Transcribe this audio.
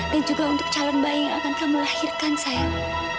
dan juga untuk calon bayi yang akan kamu lahirkan sayang